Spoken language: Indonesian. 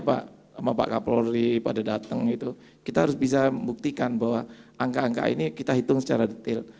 banyak pak pak kapolri pada datang itu kita harus bisa membuktikan bahwa angka angka ini kita hitung secara detail